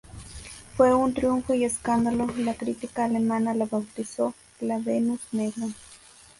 Fue un triunfo y escándalo, la crítica alemana la bautizó "la Venus negra".